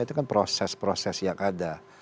itu kan proses proses yang ada